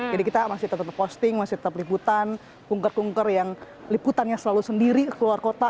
jadi kita masih tetap posting masih tetap liputan kungker kungker yang liputannya selalu sendiri ke luar kota